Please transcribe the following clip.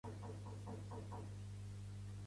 Doneu a "A Mile Beyond the Moon" cinc estrelles